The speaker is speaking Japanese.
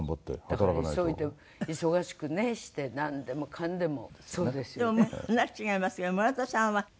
だから急いで忙しくしてなんでもかんでも。でも話違いますが村田さんは４６歳でご結婚？